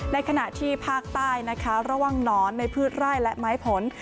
ในขณะที่ภาคใต้นะคะระหว่างหนอนในพืชไร่และไม้ผล